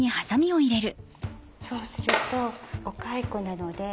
そうするとお蚕なので。